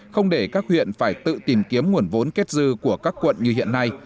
không để các huyện phải tự tìm kiếm nguồn vốn kết dư của các quận như hiện nay